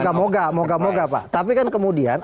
yang surprise ya moga moga tapi kan kemudian